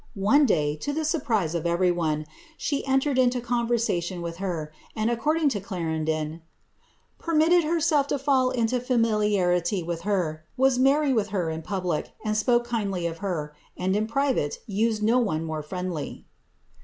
One day, to the surprise of she entered into conversation with her, and, according to ^permitted herself to fall into familiarity with her, was her in public, and spoke kindly of her, and in private used e friendly